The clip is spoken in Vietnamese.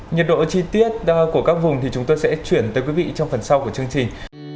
nhiệt độ chi tiết của các vùng thì chúng tôi sẽ chuyển tới quý vị trong phần sau của chương trình